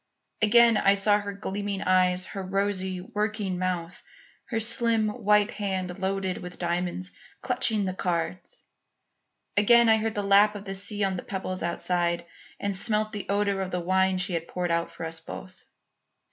Again I saw her gleaming eyes, her rosy, working mouth, her slim, white hand, loaded with diamonds, clutching the cards. Again I heard the lap of the sea on the pebbles outside and smelt the odour of the wine she had poured out for us both.